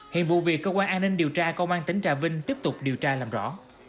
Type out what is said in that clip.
hiện vụ việc cơ quan an ninh điều tra công an tỉnh trà vinh tiếp tục điều tra làm rõ